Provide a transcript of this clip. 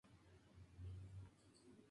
Estos se negaron rotundamente a hacerlo.